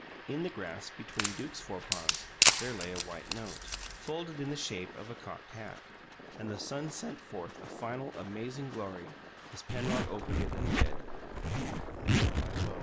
In the grass, between Duke's forepaws, there lay a white note, folded in the shape of a cocked hat, and the sun sent forth a final amazing glory as Penrod opened it and read: "Your my bow."